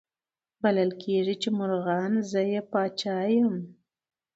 بلل کیږي چي مرغان زه یې پاچا یم